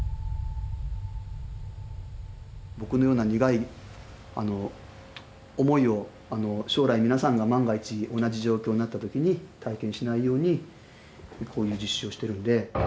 僕のような苦い思いを将来皆さんが万が一同じ状況になった時に体験しないようにこういう実習をしてるんで。